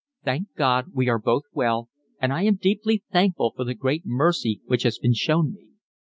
Thank God we are both well and I am deeply thankful for the great mercy which has been shown me.